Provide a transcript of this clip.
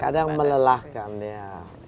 kadang melelahkan ya